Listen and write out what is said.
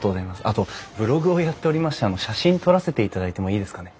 あとブログをやっておりまして写真撮らせていただいてもいいですかね？